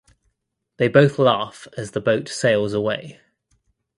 They both laugh as the boat sails away.